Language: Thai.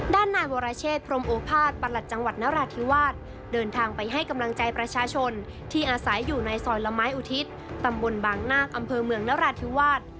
ด้านนายวรเชษพรมโอภาษย์ประหลัดจังหวัดนราธิวาสเดินทางไปให้กำลังใจประชาชนที่อาศัยอยู่ในซอยละไม้อุทิศตำบลบางนาคอำเภอเมืองนราธิวาส